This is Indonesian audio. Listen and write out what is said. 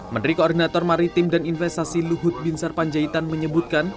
menteri koordinator maritim dan investasi luhut bin sarpanjaitan menyebutkan